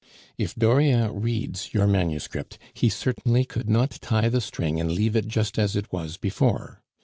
If Dauriat reads your manuscript, he certainly could not tie the string and leave it just as it was before.